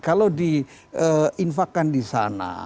kalau diinfakkan di sana